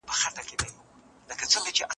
که خلګ تعليم وکړي، پوهه زياتېږي.